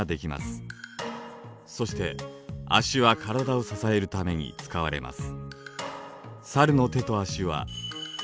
そして足は体を支えるために使われます。